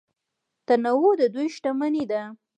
تنوع د دوی شتمني ده.